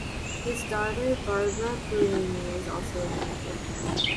His daughter Barbara Burrini was also a painter.